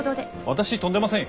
私飛んでませんよ？